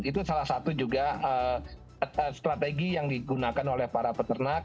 itu salah satu juga strategi yang digunakan oleh para peternak